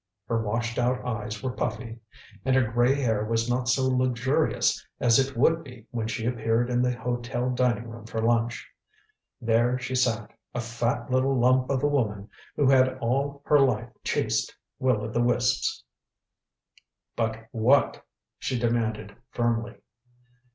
Her washed out eyes were puffy, and her gray hair was not so luxurious as it would be when she appeared in the hotel dining room for lunch. There she sat, a fat little lump of a woman who had all her life chased will o' the wisps. "But what?" she demanded firmly.